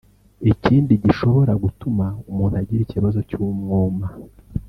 Ikindi gishobora gutuma umuntu agira ikibazo cy’umwuma